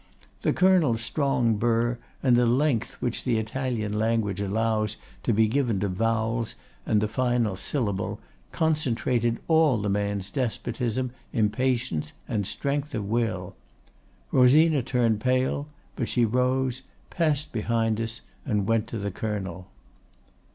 The Colonel's strong burr, and the length which the Italian language allows to be given to vowels and the final syllable, concentrated all the man's despotism, impatience, and strength of will. Rosina turned pale, but she rose, passed behind us, and went to the Colonel.